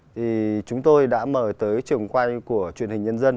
thì chúng tôi đã mời tới trường quay của truyền hình nhân dân